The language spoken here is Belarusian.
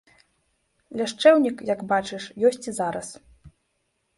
Ляшчэўнік, як бачыш, ёсць і зараз.